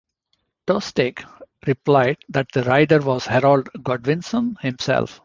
Tostig replied that the rider was Harold Godwinson himself.